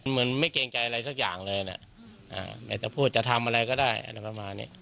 เหมือนไม่เกรงใจอะไรสักอย่างเลยนะไหนจะพูดจะทำอะไรก็ได้อะไรประมาณนี้